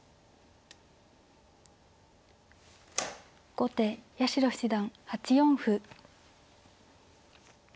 後手八代七段８四歩。